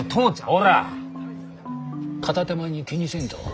ほら片手間に気にせんと。